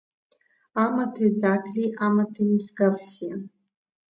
Амаҭи ӡагли амаҭи мсгавсиа…